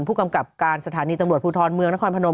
ผู้กำกับการสถานีตำรวจภูทรเมืองนครพนม